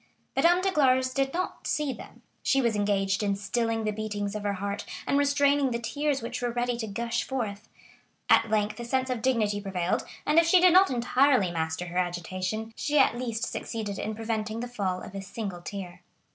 Madame Danglars did not see them; she was engaged in stilling the beatings of her heart, and restraining the tears which were ready to gush forth. At length a sense of dignity prevailed, and if she did not entirely master her agitation, she at least succeeded in preventing the fall of a single tear.